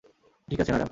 ঠিক আছে, ম্যাডাম।